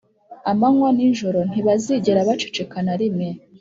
amanywa n’ijoro ntibazigera baceceka na rimwe.